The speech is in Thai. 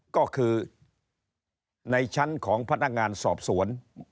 ก็คือในชั้นของพนักงานสอบสวน